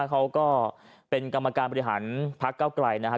เขาก็เป็นกรรมการบริหารพักเก้าไกลนะครับ